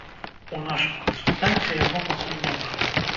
У нашым кансультанце яго пакуль няма.